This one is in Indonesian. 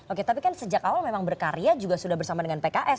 oke tapi kan sejak awal memang berkarya juga sudah bersama dengan pks